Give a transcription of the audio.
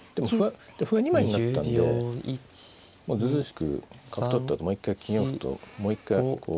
歩が２枚になったんでずうずうしく角取ったあともう一回９四歩ともう一回こう。